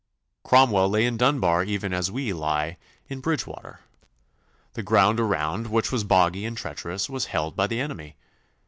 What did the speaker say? Cromwell lay in Dunbar even as we lie in Bridgewater. The ground around, which was boggy and treacherous, was held by the enemy.